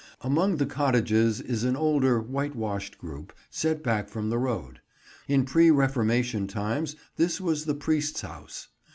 Among the cottages is an older whitewashed group, set back from the road. In pre Reformation times this was the Priest's House.